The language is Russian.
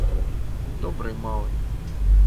Добрый малый.